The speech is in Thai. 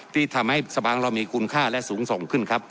ที่ทำให้สปางเรามีคุณค่าและสูงส่งขึ้นครับ